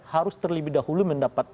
harus terlebih dahulu mendapat